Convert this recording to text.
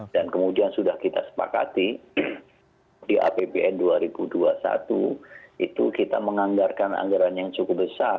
dan kemudian sudah kita sepakati di apbn dua ribu dua puluh satu itu kita menganggarkan anggaran yang cukup besar